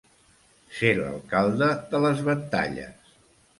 Ser l'alcalde de les Ventalles.